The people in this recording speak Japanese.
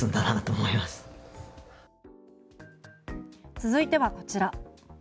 続いてはこちら。